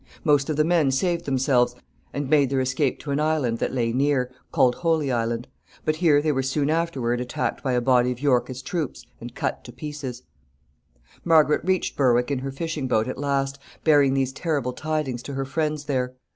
Most of the men saved themselves, and made their escape to an island that lay near, called Holy Island. But here they were soon afterward attacked by a body of Yorkist troops and cut to pieces. [Sidenote: Margaret's escape.] Margaret reached Berwick in her fishing boat at last, bearing these terrible tidings to her friends there.